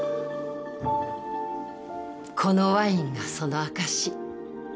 このワインがその証し。